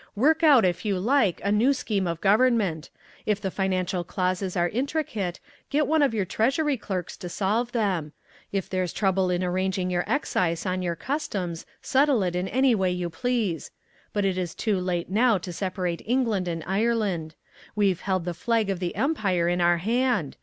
Work out, if you like, a new scheme of government. If the financial clauses are intricate, get one of your treasury clerks to solve them. If there's trouble in arranging your excise on your customs, settle it in any way you please. But it is too late now to separate England and Ireland. We've held the flag of the Empire in our hand.